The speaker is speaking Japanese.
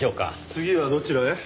次はどちらへ？